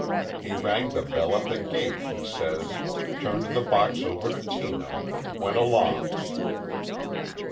He rang the bell at the gate, he says, turned the box over to Tino, and went along."